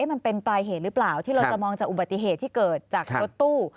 มันเป็นปลายเหตุหรือเปล่าที่เราจะมองจากอุบัติเหตุที่เกิดจากรถตู้